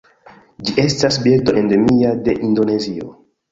Ĝi estas birdo endemia de Indonezio.